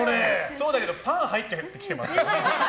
そうだけどパン入ってきてますからね。